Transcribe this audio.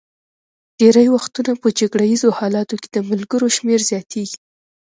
ډېری وختونه په جګړه ایزو حالاتو کې د ملګرو شمېر زیاتېږي.